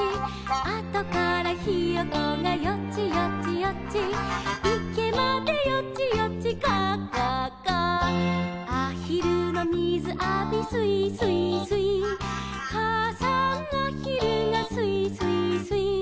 「あとからひよこがよちよちよち」「いけまでよちよちガァガァガァ」「あひるのみずあびすいすいすい」「かあさんあひるがすいすいすい」